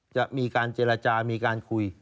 จะมีการเจรจามีการคุย